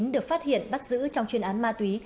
được phát hiện bắt giữ trong chuyên án ma túy